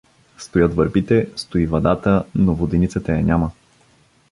Стоят върбите, стои вадата, но воденицата я няма.